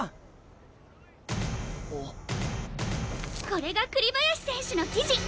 これが栗林選手の記事！